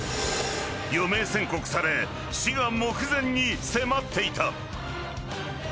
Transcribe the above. ［余命宣告され死が目前に迫っていた］